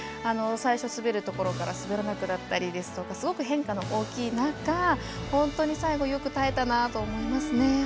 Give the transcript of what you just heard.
最初、滑るところから滑らなくなったりですとかすごく変化の大きい中本当に最後よく耐えたなって思いますね。